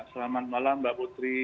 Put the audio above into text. selamat malam mbak putri